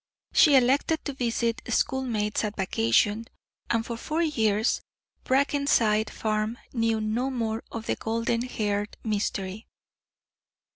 She elected to visit schoolmates at vacation, and for four years Brackenside Farm knew no more of the golden haired mystery.